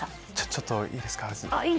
ちょっといいですか？